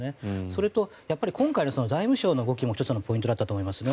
それと、やっぱり今回の財務省の動きも１つのポイントだったと思いますね。